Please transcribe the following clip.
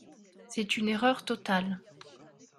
C’est une erreur totale.